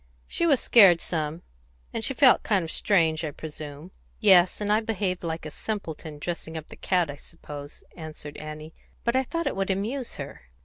"She was scared some, and she felt kind of strange, I presume." "Yes, and I behaved like a simpleton, dressing up the cat, I suppose," answered Annie. "But I thought it would amuse her."